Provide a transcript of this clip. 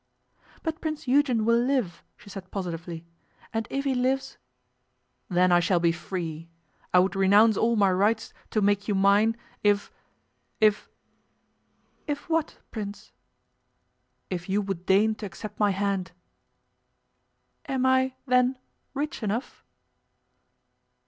'But Prince Eugen will live,' she said positively, 'and if he lives ' 'Then I shall be free. I would renounce all my rights to make you mine, if if ' 'If what, Prince?' 'If you would deign to accept my hand.' 'Am I, then, rich enough?